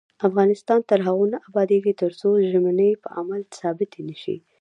افغانستان تر هغو نه ابادیږي، ترڅو ژمنې په عمل ثابتې نشي.